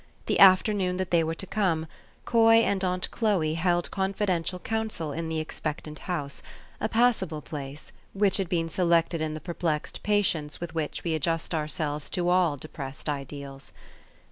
The afternoon that they were to come, Coy and aunt Chloe held confidential counsel in the expectant house, a passable place, which had been selected in the perplexed patience with which we adjust ourselves to all depressed ideals.